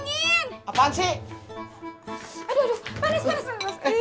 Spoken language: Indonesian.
nih aku gini kan